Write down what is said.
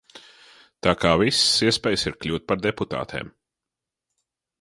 Tā ka visas iespējas ir kļūt par deputātēm.